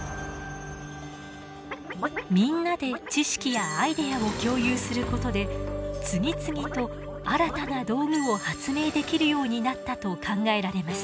みんなで知識やアイデアを共有することで次々と新たな道具を発明できるようになったと考えられます。